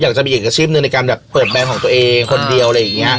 อยากจะมีอีกอาชีพหนึ่งในการแบบเปิดแบรนด์ของตัวเองคนเดียวอะไรอย่างเงี้ย